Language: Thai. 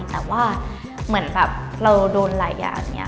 แต่ว่าเหมือนแบบเราโดนหลายอย่างนี้